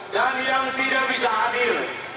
dan yang tidak bisa hadir